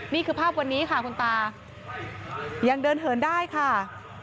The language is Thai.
นี่คือภาพวันนี้ค่ะคุณตายังเดินเหินได้ค่ะ